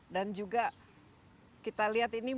dan juga kita lihat ini